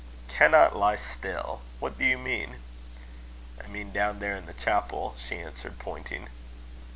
"Cannot lie still! What do you mean?" "I mean down there in the chapel," she answered, pointing.